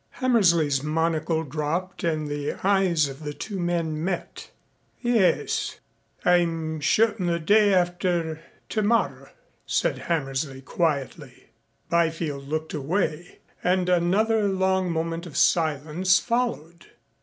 Hammersley's monocle dropped and the eyes of the two men met. "Yes. I'm shootin' the day after tomorrow," said Hammersley quietly. Byfield looked away and another long moment of silence followed.